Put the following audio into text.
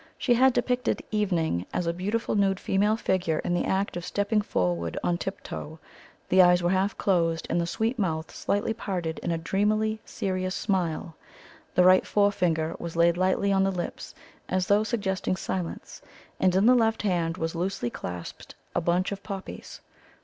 She had depicted "Evening" as a beautiful nude female figure in the act of stepping forward on tip toe; the eyes were half closed, and the sweet mouth slightly parted in a dreamily serious smile. The right forefinger was laid lightly on the lips, as though suggesting silence; and in the left hand was loosely clasped a bunch of poppies.